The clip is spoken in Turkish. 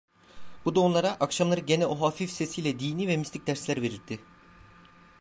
Bu da onlara, akşamları gene o hafif sesiyle dini ve mistik dersler verirdi.